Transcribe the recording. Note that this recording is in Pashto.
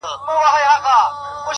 د دې مبارکې ورځي -